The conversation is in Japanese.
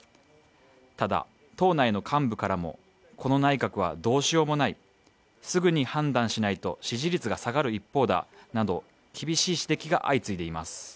ただ、党内の幹部からも、この内閣はどうしようもない、すぐに判断しないと支持率が下がる一方だなど厳しい指摘が相次いでいます。